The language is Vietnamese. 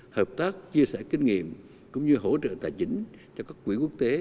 hợp tác chia sẻ kinh nghiệm cũng như hỗ trợ tài chính cho các quỹ quốc tế